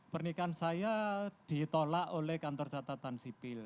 pernikahan saya ditolak oleh kantor catatan sipil